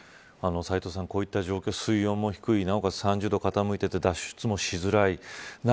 斎藤さん、こういった状況水温も低くて３０度傾いていてた脱出しづらい。